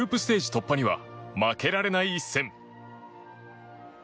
突破には負けられない一戦。